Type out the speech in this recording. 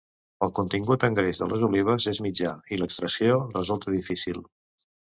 El contingut en greix de les olives és mitjà, i l'extracció resulta difícil.